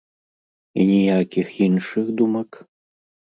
І ніякіх іншых думак?